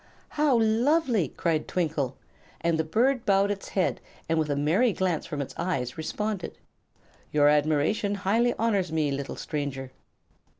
"How lovely!" cried Twinkle, and the bird bowed its head and with a merry glance from its eyes responded: "Your admiration highly honors me, little stranger."